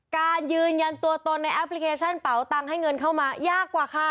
การยืนยันตัวตนในแอปพลิเคชันเป๋าตังค์ให้เงินเข้ามายากกว่าค่ะ